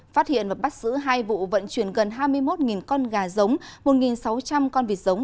phát hiện và bắt giữ hai vụ vận chuyển gần hai mươi một con gà giống một sáu trăm linh con vịt giống